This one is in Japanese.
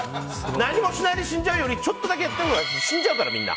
何もしないで死んじゃうよりちょっとだけやったほうが死んじゃうから、みんな。